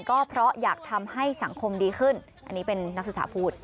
ก็เพราะอยากทำให้สังคมดีขึ้นอันนี้เป็นนักศึกษาพูด